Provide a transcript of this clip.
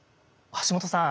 橋本さん